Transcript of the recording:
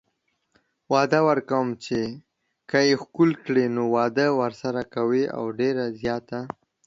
وعده ورکوي چې که يې ښکل کړي نو واده ورسره کوي او ډيره زياته